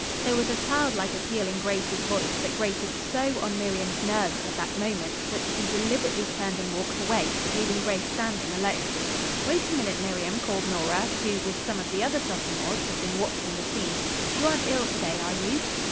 There was a childlike appeal in Grace's voice that grated so on Miriam's nerves, at that moment that she deliberately turned and walked away, leaving Grace standing alone. "Wait a minute, Miriam," called Nora, who, with some of the other sophomores, had been watching the scene. "You aren't ill to day, are you?"